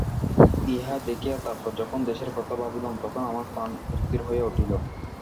ইহা দেখিয়া তারপর যখন দেশের কথা ভাবিলাম, তখন আমার প্রাণ অস্থির হইয়া উঠিল।